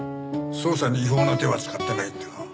捜査に違法な手は使ってないんだな？